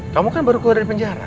kamu kan baru keluar dari penjara